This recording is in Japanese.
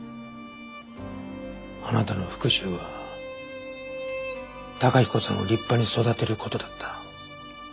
あなたの復讐は崇彦さんを立派に育てる事だった。